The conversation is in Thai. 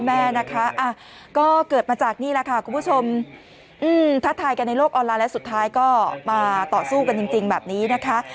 แม่นะคะก็เกิดมาจากนี่แหละค่ะคุณผู้ชมท้าทายกันในโลกออนไลน์แล้วสุดท้ายก็มาต่อสู้กันจริงแบบนี้นะคะ